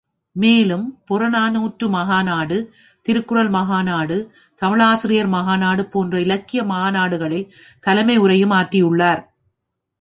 மேலும் புறநானூற்று மாநாடு, திருக்குறள் மாநாடு தமிழாசிரியர் மாநாடு போன்ற இலக்கிய மாநாடுகளில் தலைமை உரையும் ஆற்றியுள்ளார்.